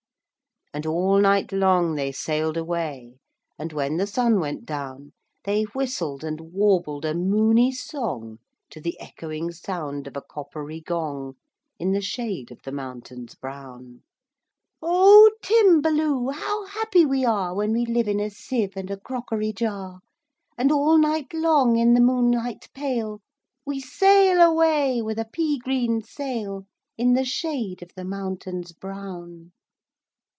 And all night long they sail'd away; And, when the sun went down, They whistled and warbled a moony songTo the echoing sound of a coppery gong, In the shade of the mountains brown,"O Timballoo! how happy we areWhen we live in a sieve and a crockery jar! And all night long, in the moonlight pale, We sail away with a pea green sailIn the shade of the mountains brown."